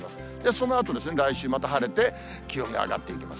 そのあと、来週また晴れて、気温が上がっていきます。